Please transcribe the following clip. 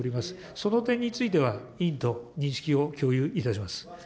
その点については、委員と認識を共有いたします。